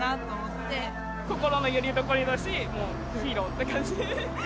心のよりどころだしもうヒーローって感じ。